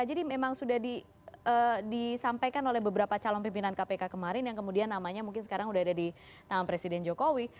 jadi memang sudah disampaikan oleh beberapa calon pimpinan kpk kemarin yang kemudian namanya mungkin sekarang sudah ada di tangan presiden jokowi